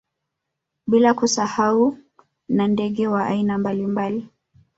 Bila kusahau na ndege wa aina mbalimbali